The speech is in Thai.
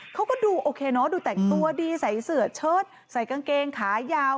เขาก็ดูโอเคเนอะดูแต่งตัวดีใส่เสื้อเชิดใส่กางเกงขายาว